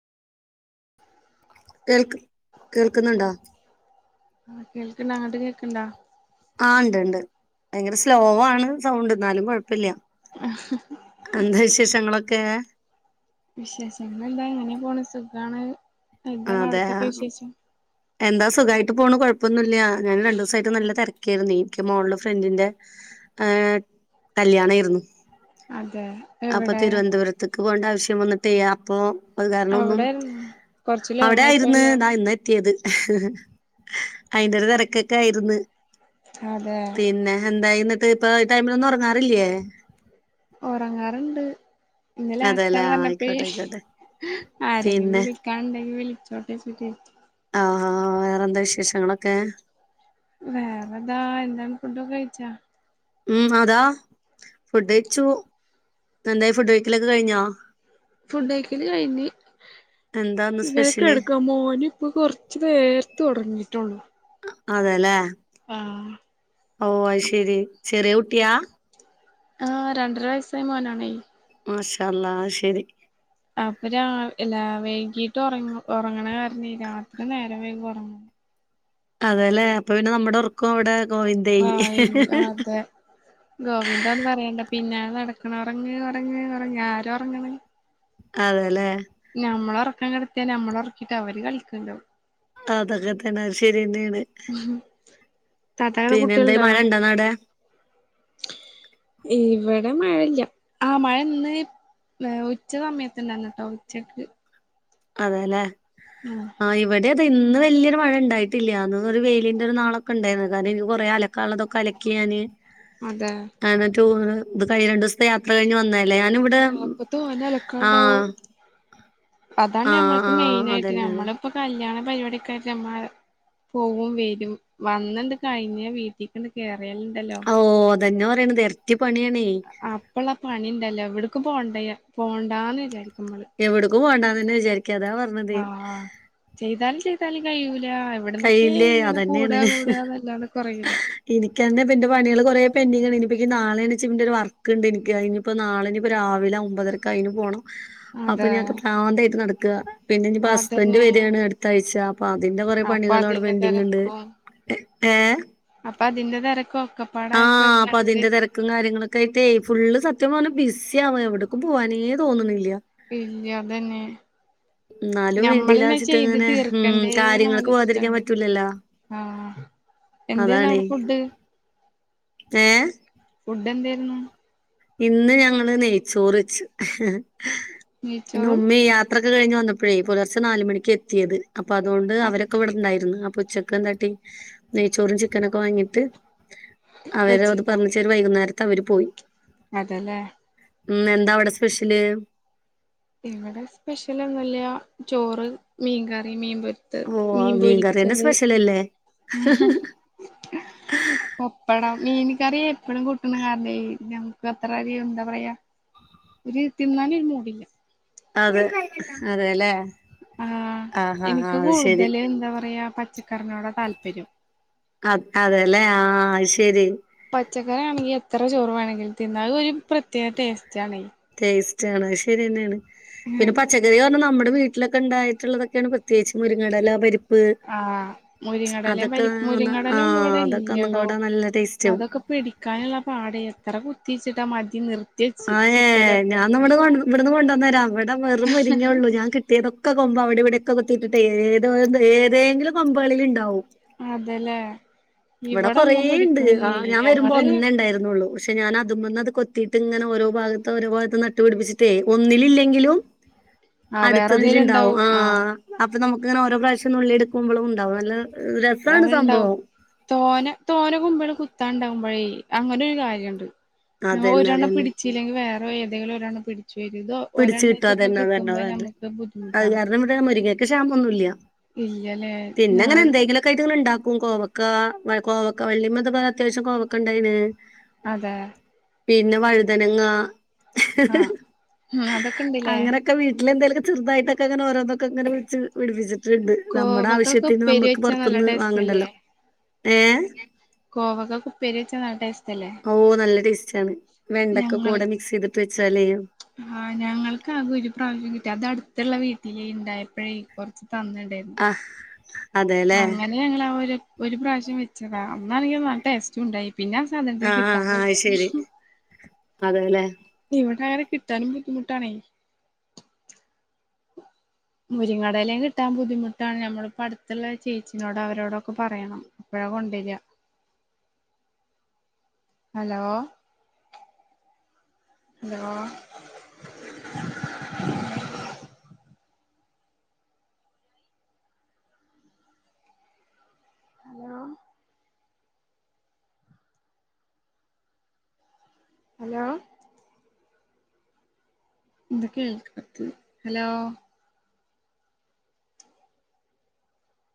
കേൾക്ക കേൾക്കുന്നുണ്ടോ ആഹ് കേൾക്കണ്ട് അങ്ങോട്ട് കേൾക്കണ്ടാ ആഹ് ഉണ്ട് ഉണ്ട് ഭയങ്കര സ്ലോ ആണ് സൗണ്ട് എന്നാലും കുഴപ്പമില്ല ആഹ [unintelligible] എന്താ വിശേഷങ്ങളൊക്കെ വിശേഷങ്ങൾ എന്താ ഇങ്ങനെ പോണ സുഖമാണ് അതെ എന്താ സുഖായിട്ട് പോണ കുഴപ്പമൊന്നും ഇല്ല രണ്ട്ദിവസമായിട്ട് നല്ല തി- രക്കായിരുന്ന്‌ എനിക്ക് മോളുടെ ഫ്രണ്ടിന്റെ ആഹ് കല്യാണമായിരുന്നു അതെ അപ്പൊ എവിടെ തിരുവനന്തപുരത്തക്ക് പോണ്ട ആവശ്യം വന്നിട്ട ചെയ്യ അപ്പൊ അത് കാരണം ഒന്നും അവിടെ കൊറച്ച് അവിടെ ലോങ്ങായി ആയിരുന്നു പോയല്ലോ ദാ ഇന്ന് ത്തിത് അയിന്റെ ഒരു തിരക്കൊക്കെ ആയിരുന്നു അതെ പിന്നെ എന്താ എന്നിട്ട് ഇപ്പൊ ഈ ടൈമിലൊന്നും ഉറങ്ങാറില്ലേ ഉറങ്ങാറുണ്ട് ഇന്ന്‌ ലാസ്റ്റ് അതെല്ലേ അന്ന് ആയിക്കോട്ടെ പറഞ്ഞപ്പഴെ ആയിക്കോട്ടെ ആരെങ്കിലും പിന്നെ വിളി കണ്ടെങ്കിൽ വിളിച്ചോട്ടെ എന്ന് വെച്ചിട്ട് ആഹ് ആഹ് വേറെന്താ വിശേഷങ്ങളൊക്കെ വേറെന്താ എന്താണ് ഫുഡ്‌ ഒക്കെ കഴിച്ചാ ഉം അതാ ഫുഡ് കഴിച്ചു എന്തായി ഫുഡ് കഴിക്കലൊക്കെ കഴിഞ്ഞോ ഫുഡ് കയിക്കല് കഴിഞ്ഞ് എന്താന്ന് സ്പെഷ്യല് ഇങ്ങനെകെട്ക്ക മോന് ഇപ്പൊ കൊറച്ച് വേർത്ത് തൊടങ്ങിയിട്ടുള്ളു അതെല്ലേ ആഹ് ഓ ഐശരി, ചെറിയ കുട്ടിയാ? ആഹ് രണ്ടര വയസ്സായ മോനാണേ. മാഷാല്ലാ ശരി അപ്പൊ രാ ല്ല വൈകീട്ട് ഉറങ്ങ ഉറങ്ങണ കാരണ രാത്രി നേരം വൈകു ഒറങ്ങ അതെല്ലേ അപ്പൊ പിന്നെ നമ്മുടെ ഒറക്കും അവിടെ ഗോവിന്തായി ആയിൽ അതെ ഗോവിന്ദാന്ന് പറയണ്ട പിന്നാലടക്കണ ഒറങ്ങ് ഒറങ്ങ് ഒറങ്ങ് ആരൊറങ്ങണ് അതെല്ലേ ഞമ്മളെ ഒറക്കം കെട്ത്തിയ ഞമ്മളെ ഒറക്കിയിട്ട് അവര് കളിക്ക്ണ്ടാവും അതൊക്കെ തന്നെ അത് ശരിയെന്നയാണ് [unintelligible] പിന്നെ എന്തെ കുട്ടികളുണ്ടോ മഴ ഇണ്ടന്നാടെ? ഇവിടെ മഴല്ല്യആഹ് മഴ ഇന്ന് ഉച്ച സമയത്ത്നെന്നട്ടോ ഉച്ചക്ക് അതെല്ലേ ഉം ആ് ഇവിടെ അത ഇന്ന് വലൊരു മഴയണ്ടായിട്ടില്ല അന്ന് ഒരു വെയിലിന്റെ ഒരു നാളൊക്കെ ഉണ്ടായിരുന്നു കാരണം ഇനി കുറെ ആലക്കാ കളതൊക്കെ അലക്കിയാന് അതെ എന്ന ഇത് ടൂറ് ഇത് രണ്ടീസത്തെ യാത്ര കഴിഞ്ഞ് വന്നെല്ലേ ഞാൻ ഇവി അപ്പൊ തോനെ അളക്കാണ്ടാവും അതാണ് ആ ഞമ്മൾക്ക് ആ മെയിന് ആയിട്ട് അതന്നെ അതന്നെ ഞമ്മള് ഇപ്പൊ കല്ല്യാണ പരിപാടിക്കായിട്ട് ഞമ്മ പോവും വരും വന്നന്ത്‌ കഴിഞ്ഞ വീട്ടില്ക്കണ്ട് കേറിയാല്ണ്ടല്ലോ ഓഹ് അതെന്നെ പറീണതെ എരട്ടി പണ്യാണേ അപ്പള്ളാ പണിണ്ടല്ലോ എവിട്ക്കും പോണ്ടയ പോണ്ടാന്ന് വിചാരിക്കും ഞമ്മള് എവിട്ക്കും പോണ്ടാന്ന്ന്നെ വിചാരിക്ക അതാപറ് ആഹ് ചെയ്താലും ചെയ്താലും കയ്യൂലാ എവിട്ന്നെക്കെ കയ്യില്ലേ ഇങ്ങനെ കൂടാ കൂടാന്ന്ല്ലാണ്ട് കൊറയൂല ഇനിക്കെന്നെ ഇപ്പന്റെ പണ്യേള് കൊറെ പെൻഡിങ്ങാണ് ഇനിപ്പക്ക് നാളെണ് ഇച്ച്പ്പന്റെ ഒരു വർക്ക്ണ്ട് എനിക്ക് അയിഞ്ഞ് ഇപ്പൊ നാളെനിപ്പോ രാവിലെ ഒമ്പതരക്ക് അയിന് പോണം അപ്പൊ അതെ ഞാപ്പൊ ഭ്രാന്തയിട്ട് നടക്കാ പിന്നെ ഇനിപ്പോ ഹസ്ബൻഡ് അതന്നെ വേരാണ് അട്ത്ത ആഴ്ച അപ്പൊ അതി അപ്പൊ പണികളും അവടെ അതിന്റെ പെൻഡിങ്ണ്ട് തെരക്കും എ ഏഹ് അപ്പൊ അതിന്റെ തെരക്കും ഒക്കെപ്പാട ആയപ്പോ ഭ്രാന്തെരും ക്കും കാര്യങ്ങളൊക്കായിട്ടേ ഫുള്ള് സത്യം പറഞ്ഞെ ബിസിയാവാ എവിട്ക്കും പോവാനേ തോന്ന്ന്ന്ല്ല ഇല്ല്യ അതെന്നെ എന്നാലും ഞമ്മളെന്നെ വേണ്ടീലാച്ചിട്ട് ചെയ്ത് ഇങ്ങനെ ഉം തീർക്കണ്ടേന്ന് കാര്യങ്ങൾക്ക് പോവാതിരിക്കാൻ ആലോയിച്ചിട്ടാണെ പറ്റൂലല്ലോ ആഹ് എന്തേന്ന് അവ്ടെ ഫുഡ്? ഏഹ് ഫുഡ് എന്തേയിരുന്നു? ഇന്ന് ഞങ്ങള് നെയ്ച്ചോറെച്ച് ഇന്ന് നെയ്ച്ചോറും ഉമ്മി യാ ത്രാക്കെ കഴിഞ്ഞ് വന്നപ്പഴേ പുലർച്ചെ നാല് മണിക്ക്യ എത്തിയത് അപ്പൊ അതോണ്ട് അവരൊക്കെ ഇവടെണ്ടായിര്ന്ന് അപ്പൊ ഉച്ച ക്ക്‌ എന്താട്ടി നെയ്ച്ചോറും ചിക്കനൊക്കെ വാങ്ങീട്ട് അവരെത് പറഞ്ഞ് വെച്ചിണ്ടാവും വർ വൈകുന്നേരത്തവര് പോയി അതെല്ലേ ഉം എന്താ അവടെ സ്പെഷ്യല്? ഇവടെ സ്പെഷ്യലോന്ന്ല്ല ചോറ് മീൻകറി മീൻപൊരി ത് മീൻപൊരിച്ചത് തല്ലേ ആഹാ പപ്പടം മീൻക്കറി എപ്പഴും കൂട്ടുന്ന കാരണെ ഞമ്മക്ക് അത്ര ഒര് എന്താ പറയാ ഒര് തിന്നാനോരു മൂഡ് ഇല്ല. അതെ അതെല്ലേ ആഹ് ആഹ് എനിക്ക് ആഹ് അത് ശരി കൂടുതല് എന്താ പറയാ പച്ചക്കറിനോടാ താല്പര്യം. അത് അതെല്ലേ ആഹ് അത് ശരി. പച്ചക്കറി ആണെങ്കി എത്ര ചോറ് വേണെങ്കിലും തിന്നാ അതോരു പ്രത്യേക ടേസ്റ്റ് ആണെ. ടേസ്റ്റാണ് അത് ശരിന്നെയാണ് പിന്നെ പച്ചക്കറി പറഞ്ഞാ നമ്മടെ വീ ട്ടിലൊക്കെ ഇണ്ടായിട്ട്ള്ളതൊക്കെയാണ് പ്രത്യേയിച്ച് മുരിങ്ങേടല പരി പ്പ് ആഹ് മുരിങ്ങടലയും പരി അതൊക്കെ മുരിങ്ങടല ഒന്നും ആഹ് അതൊക്കെ ഒന്നും കൂടെ നല്ല ടേസ്റ്റാവും. പിടിക്കാന്ള്ള പാടേ എത്ര കുത്തിച്ചിട്ടാ മതി നിർ ആഹ് ഏഹ് ഞാന്നാ ഇവിടന്ന് കൊ ഇവട്ന്ന് കൊണ്ടെന്നരാം ഇവടെ വെറും മുരിങ്ങേ ഒള്ളൂ ഞാൻ കി ട്ട്യേതൊക്കെ കൊമ്പ് അവിടെ ഇവിടെയൊക്കെ കുത്തിയിട്ടിട്ടേ ഏതോ ഏതെങ്കിലും കൊമ്പേളില് ഇണ്ടാവും. അതല്ലേ ഇവടെ ഇവിടെ ഒന്നും കൊറേയിണ്ട് പിടിക്കണില്ലേ ആഹ് ഞാൻ വരുമ്പോ ഞങ്ങള് ഒന്നേണ്ടായിര്ന്നോള്ളു പക്ഷെ ക്ഷേ ഞാനത് മ്മന്ന് അത് കൊത്തിയിട്ട് ഇങ്ങനെ ഓരോ ഭാഗത്ത് ഓരോ ഭാഗത്ത് നട്ടുപടിപ്പിച്ചിട്ടേ ഒന്നില്ലെങ്കിലും ആഹ് വേറെ അട്ത്തതില് ഒന്നിലും ഇണ്ടാവും ഉണ്ടാവും ആഹ് അപ്പൊ നമ്മുക്കിങ്ങനെ ഓരോ പ്രാവശ്യം നുള്ളിട്ക്കുമ്പളും ഇണ്ടാവും നല്ല രസാണ് അത്ണ്ടാവും സംഭവം. തോനേ തോനേ കൊമ്പേള് കുത്താണ്ടാവുമ്പഴേ അങ്ങനോരു കാര്യണ്ട്. അതന്നെ ഒരെണ്ണം അതന്നെ പിടിച്ചില്ലെങ്കി വേറെ ഏതെങ്കിലും ഒരെണ്ണം പിടി ച്ചുവരും ഇത് പിടിച്ച് കിട്ടും ഒരെണ്ണച്ചൊക്കെ അതന്നെ കിട്ടുമ്പോ നമുക്ക് ബുദ്ധിമുട്ടാണ്. വിടെ മുരിങ്ങക്ക് ക്ഷാമൊന്നു ഇല്ല്യ ഇല്ലല്ലേ പിന്നെങ്ങനെ ഞങ്ങൾ എന്തെങ്കിലോ ക്കായിറ്റ് ഇണ്ടാക്കും കോവക്കാ കോവക്ക വള്ളിമ്മേതാപ്പ അത്യാവശ്യം കോവക്ക ഇണ്ടായ്ന്. അതെ പിന്നെ വഴുതനങ്ങ ആഹ് ഉം അതൊക്കെ ഇണ്ട്ല്ലേ? ഒക്ക വീട്ടിൽന്തെലു ഒക്കെ ചെറുതായിട്ടെക്കെ അങ്ങനെ ഓരോന്നൊക്കെ പിടിച്ച് പിടിപ്പിച്ചി ണ്ട് നമ്മുടെ കോവക്കൊക്കെ ആവശ്യത്തിന് ഉപ്പേരി നമ്മുക്ക് വെച്ചാ നല്ല പൊറത്തൂന്ന് ടേസ്റ്റ് വാങ്ങണ്ടല്ലോ. ഏഹ് കോവക്ക ഉപ്പേരി വെച്ച നല്ല ടേസ്റ്റല്ലേ? ഓ നല്ല ടേസ്റ്റ് ആണ് വെണ്ടക്ക ഞങ്ങള് കൂടെ മിക്സ് ചെയ്തിട്ട് വെച്ചാല് ആഹ് ഞങ്ങൾക്ക് ആകെ ഒരു പ്രാവശ്യം കിട്ടി. അത് അടുത്തുള്ള വീട്ടിലേ ഉണ്ടായപ്പോഴേ കൊറച്ച് തന്നിണ്ടായിരുന്നു ആഹ് അതെല്ലേ. ഞങ്ങള്അതൊരു ഒരു പ്രാവശ്യം വെച്ചതാ അന്നാണെങ്കില് നല്ല ടേസ്റ്റ്ഉണ്ടായി. പിന്നെ ആ സാധനത്തിനെകിട്ടാനില്ല. അതെല്ലെ? ഇവിടങ്ങനെ കിട്ടാനും ബുദ്ധിമുട്ടാണേ. മുരിങ്ങേടെ ഇലയും കിട്ടാൻ ബുദ്ധിമുട്ടാണ്. ഞമ്മളിപ്പോ അടുത്തുള്ള ചേച്ചിനോട് അവരോടൊക്കെ പറയണം. അപ്പഴാ കൊണ്ടര hello hello hello hello hello